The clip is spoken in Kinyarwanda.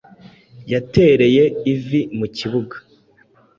yatereye ivi mu kibuga